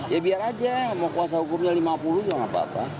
ya biar aja mau kuasa hukumnya lima puluh juga gak apa apa